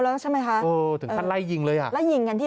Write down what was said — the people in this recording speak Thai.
แล้วใช่ไหมคะโอ้ถึงขั้นไล่ยิงเลยอ่ะไล่ยิงกันที่